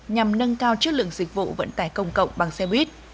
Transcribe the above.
nhằm nâng cao chất lượng dịch vụ vận tải công cộng bằng xe buýt